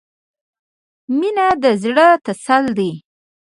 • مینه د زړۀ تسل دی.